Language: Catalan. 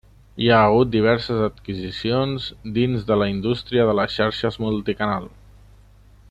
Hi ha hagut diverses adquisicions dins de la indústria de les xarxes multicanal.